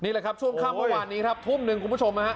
นี่แหละครับชุดข้ามประหว่างนี้ครับทุ่ม๑คุณผู้ชมคะ